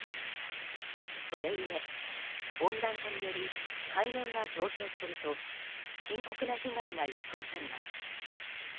それゆえ、温暖化により海面が上昇すると深刻な被害が予想されます。